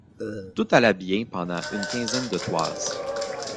Tout alla bien pendant une quinzaine de toises.